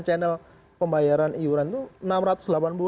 channel pembayaran iuran itu